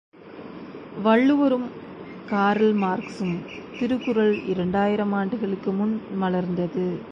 வள்ளுவரும் கார்ல்மார்க்சும் திருக்குறள் இரண்டாயிரம் ஆண்டுகளுக்கு முன் மலர்ந்தது.